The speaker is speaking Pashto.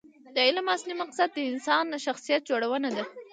د علم اصلي مقصد د انسان شخصیت جوړونه ده.